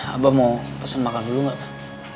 abang mau pesen makan dulu enggak pak